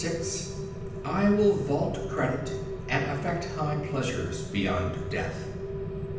VI I will vault credit and affect high pleasures Beyond death.